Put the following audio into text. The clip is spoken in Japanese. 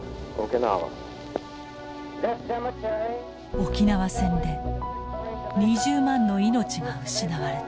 沖縄戦で２０万の命が失われた。